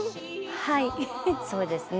はいそうですね。